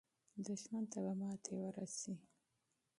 دښمن ته به ماته ورسي.